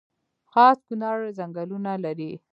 خاص کونړ ځنګلونه لري؟